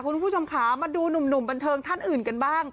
คุณผู้ชมค่ะมาดูหนุ่มบันเทิงท่านอื่นกันบ้าง